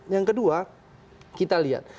yang kedua kita lihat